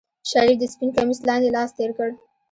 شريف د سپين کميس لاندې لاس تېر کړ.